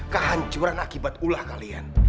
kehancuran akibat ulah kalian